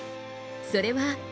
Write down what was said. それは。